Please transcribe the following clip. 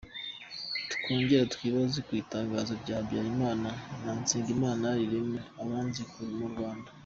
Twongere twibaze ku itangazo rya Habyarimana na Nsabimana rirema abanzi mu Rwanda.